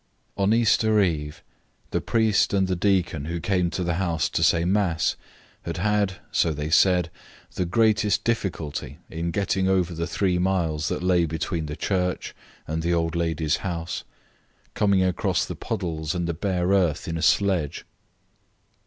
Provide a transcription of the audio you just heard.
On Easter eve, the priest and the deacon who came to the house to say mass had had (so they said) the greatest difficulty in getting over the three miles that lay between the church and the old ladies' house, coming across the puddles and the bare earth in a sledge.